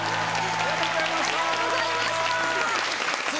ありがとうございます！